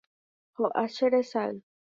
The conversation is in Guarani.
ho'a che resay